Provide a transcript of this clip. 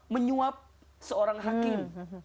menyuap seorang hakim